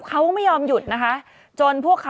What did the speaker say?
เขาก็ไม่ยอมหยุดนะคะจนพวกเขา